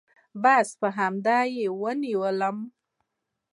بس په همدې يې ونيولم.